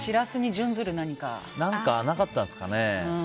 何かなかったんですかね。